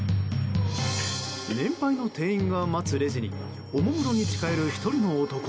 年配の店員が待つレジにおもむろに近寄る１人の男。